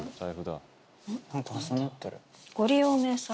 何か挟まってる。